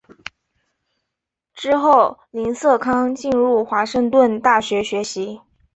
之后林瑟康进入华盛顿大学学习。